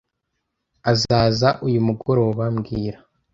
Azaza uyu mugoroba mbwira (